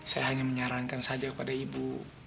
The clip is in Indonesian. saya hanya menyarankan saja kepada ibu